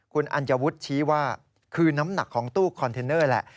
คุณอัญวุฒิชี้ว่าคือน้ำหนักของตู้คอนเทนเนอร์แหละ